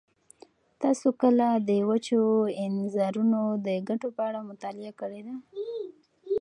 تاسو کله د وچو انځرونو د ګټو په اړه مطالعه کړې ده؟